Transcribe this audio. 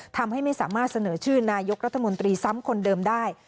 ทำให้ไม่สามารถเสนอชื่อนายกรัฐมนตรีซ้ำคนเดิมได้